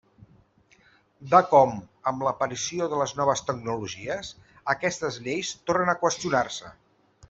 De com, amb l'aparició de les noves tecnologies, aquestes lleis tornen a qüestionar-se.